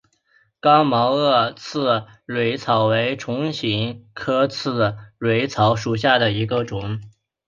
刚毛萼刺蕊草为唇形科刺蕊草属下的一个种。